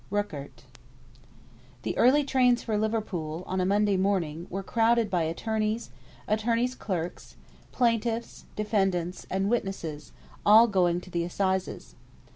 RÜCKERT. The early trains for Liverpool, on Monday morning, were crowded by attorneys, attorneys' clerks, plaintiffs, defendants, and witnesses, all going to the Assizes.